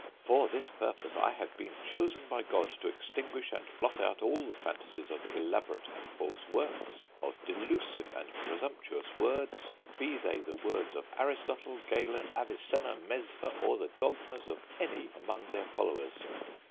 For this purpose I have been chosen by God to extinguish and blot out all the phantasies of elaborate and false works, of delusive and presumptuous words, be they the words of Aristotle, Galen, Avicenna, Mesva, or the dogmas of any among their followers.